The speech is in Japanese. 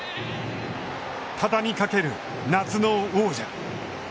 畳みかける夏の王者。